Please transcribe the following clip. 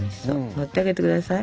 乗ってあげて下さい。